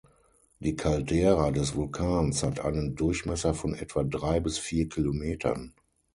Die Caldera des Vulkans hat einen Durchmesser von etwa drei bis vier Kilometern.